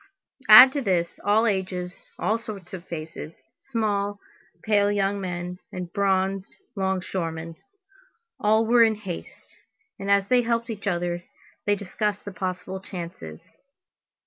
Add to this, all ages, all sorts of faces, small, pale young men, and bronzed longshoremen. All were in haste; and as they helped each other, they discussed the possible chances.